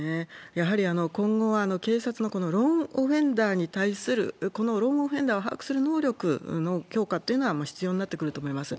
やはり今後は警察のローンオフェンダーに対する、このローンオフェンダーを把握する能力の強化というのは必要になってくると思います。